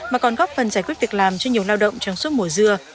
mà còn góp phần giải quyết việc làm cho nhiều lao động trong suốt mùa dưa